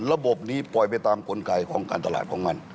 ระบบนี้ปล่อยไปตามกลไกของการตลาดของมัน